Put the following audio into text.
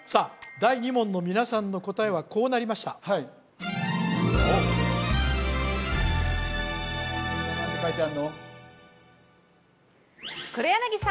第２問の皆さんの答えはこうなりましたさあ